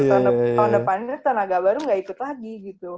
tahun depannya tenaga baru gak ikut lagi